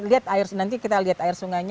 lihat air nanti kita lihat air sungainya